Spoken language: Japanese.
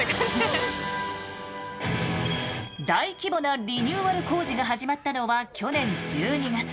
大規模なリニューアル工事が始まったのは去年１２月。